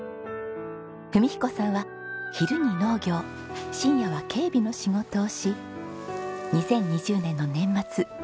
文彦さんは昼に農業深夜は警備の仕事をし２０２０年の年末